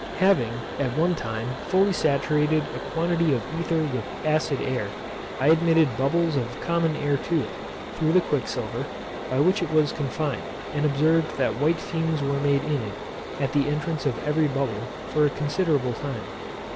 Having, at one time, fully saturated a quantity of ether with acid air, I admitted bubbles of common air to it, through the quicksilver, by which it was confined, and observed that white fumes were made in it, at the entrance of every bubble, for a considerable time.